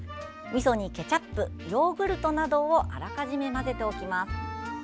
みそにケチャップヨーグルトなどをあらかじめ混ぜておきます。